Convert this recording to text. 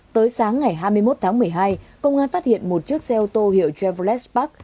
tới sáng ngày hai mươi một tháng một mươi hai công an phát hiện một chiếc xe ô tô hiệu travelespak